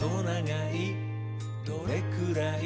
「どれくらい？